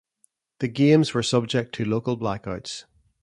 The games were subject to local blackouts.